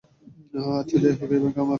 আচ্ছা যাইহোক, এই ব্যাংক আমার মামার।